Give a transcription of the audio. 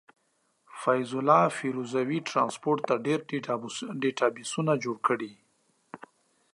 فيض الله فيروزي ټرانسپورټ ته ډير ډيټابسونه جوړ کړي.